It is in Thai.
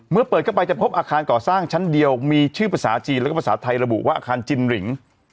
เมื่อเปิดเข้าไปจะพบอาคารก่อสร้างชั้นเดียวมีชื่อภาษาจีนแล้วก็ภาษาไทยระบุว่าอาคารจินริง